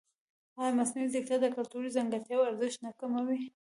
ایا مصنوعي ځیرکتیا د کلتوري ځانګړتیاوو ارزښت نه کموي؟